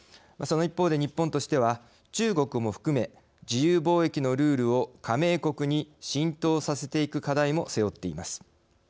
その一方で日本としては中国も含め、自由貿易のルールを加盟国に浸透させていく課題も背負っています。